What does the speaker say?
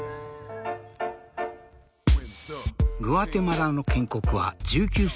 グアテマラの建国は１９世紀初め。